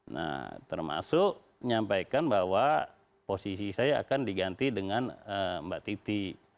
nah termasuk menyampaikan bahwa posisi saya akan diganti dengan mbak titi